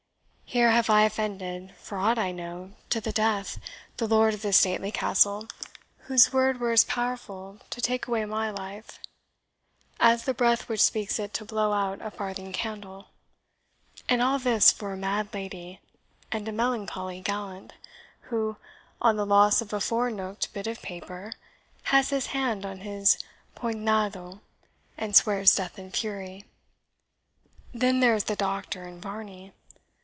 Here have I offended, for aught I know, to the death, the lord of this stately castle, whose word were as powerful to take away my life as the breath which speaks it to blow out a farthing candle. And all this for a mad lady, and a melancholy gallant, who, on the loss of a four nooked bit of paper, has his hand on his poignado, and swears death and fury! Then there is the Doctor and Varney.